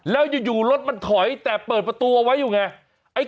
แล้วอยู่รถมันถอยแต่เปิดประตูเอาไว้อยู่ไง